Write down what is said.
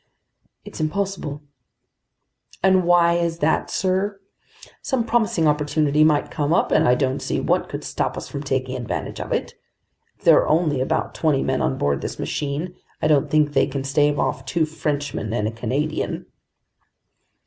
"It's impossible." "And why is that, sir? Some promising opportunity might come up, and I don't see what could stop us from taking advantage of it. If there are only about twenty men on board this machine, I don't think they can stave off two Frenchmen and a Canadian!"